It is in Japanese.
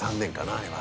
あれは。